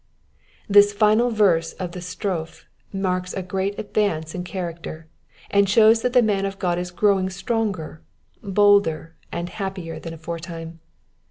This final verse of the strophe marks a great advance in character, and shows that the man of Qod is growing stronger, bolder, and happier than aforetime.